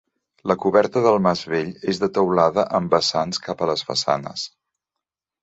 La coberta del mas vell, és de teulada amb vessants cap a les façanes.